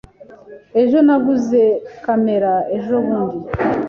Ejo naguze kamera ejobundi.